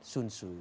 sun tzu itu